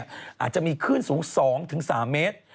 อาจจะมีคลื่นสูง๒๓เมตร